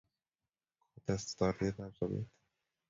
kotest toretet tab sobet